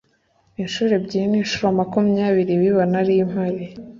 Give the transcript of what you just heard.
Inshuro ebyiri n incuro makumyabiri biba nari mpari